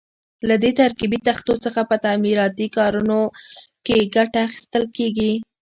له دې ترکیبي تختو څخه په تعمیراتي کارونو کې ګټه اخیستل کېږي.